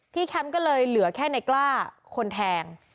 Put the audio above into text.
แคมป์ก็เลยเหลือแค่ในกล้าคนแทง